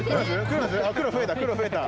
黒増えた。